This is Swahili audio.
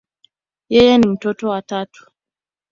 Yeye ni mtoto wa tatu.